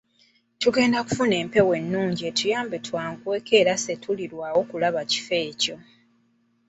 Tugenda kufuna empewo ennungi etuyambe twanguweko era situlirwawo kulaba kifo ekyo.